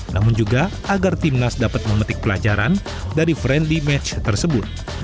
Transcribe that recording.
namun juga agar timnas dapat memetik pelajaran dari friendly match tersebut